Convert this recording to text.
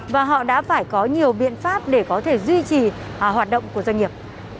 và họ đã phải có nhiều biện pháp để có thể duy trì hoạt động của doanh nghiệp